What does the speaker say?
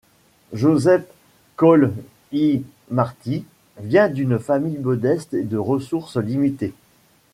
Josep Coll i Martí vient d'une famille modeste et de ressources limitées.